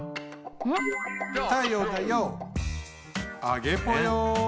あげぽよ！